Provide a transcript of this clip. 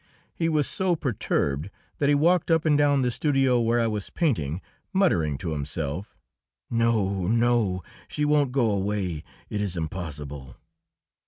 He was so perturbed that he walked up and down the studio where I was painting, muttering to himself, "No, no; she won't go away; it is impossible!"